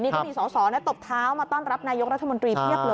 ก็มีสองตบเท้าวิธีมาต้อนรับนายยกรัฐมนตรี